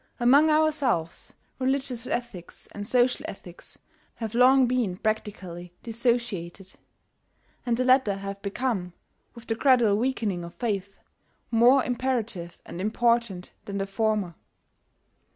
Among ourselves, religious ethics and social ethics have long been practically dissociated; and the latter have become, with the gradual weakening of faith, more imperative and important than the former.